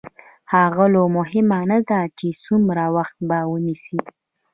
ښاغلو مهمه نه ده چې څومره وخت به ونيسي.